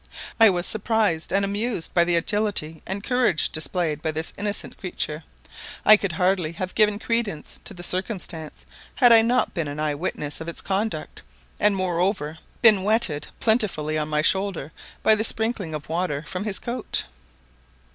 I was surprised and amused by the agility and courage displayed by this innocent creature; I could hardly have given credence to the circumstance, had I not been an eye witness of its conduct, and moreover been wetted plentifully on my shoulder by the sprinkling of water from his coat.